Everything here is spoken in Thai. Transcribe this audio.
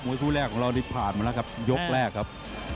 มาควบคุมเองครับ